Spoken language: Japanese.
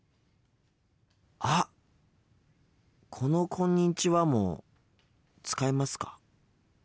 あっこの「こんにちは」も使いますか？